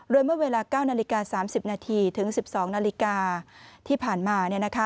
โดยเมื่อเวลา๙นาฬิกา๓๐นาทีถึง๑๒นาฬิกาที่ผ่านมา